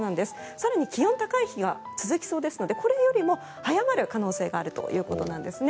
更に気温高い日が続きそうですのでこれよりも早まる可能性があるということなんですね。